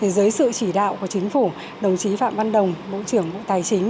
dưới sự chỉ đạo của chính phủ đồng chí phạm văn đồng bộ trưởng bộ tài chính